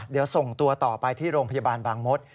เดี๋ยวส่งตัวต่อไปที่โรงพยาบาลบางมศ